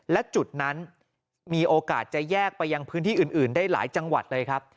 และจุดนั้นมีโอกาสจะแยกไปยังพื้นที่อื่นได้หลายจังหวัดเลยครับ